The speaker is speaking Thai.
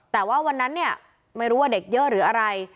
แต่ว่าวันนั้นเนี่ยไม่รู้ว่าเด็กเยอะหรืออะไร